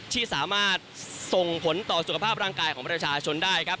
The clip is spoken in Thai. ที่สามารถส่งผลต่อสุขภาพร่างกายของประชาชนได้ครับ